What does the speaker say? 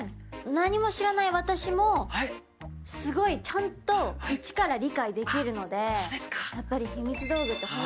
何も知らない私もすごいちゃんとイチから理解できるのでやっぱりそうですね